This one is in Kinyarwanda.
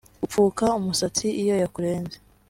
Gupfuka umusatsi iyo yakurenze